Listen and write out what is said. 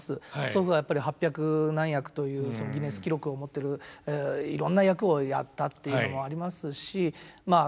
祖父は八百何役というギネス記録を持ってるいろんな役をやったっていうのもありますしまあ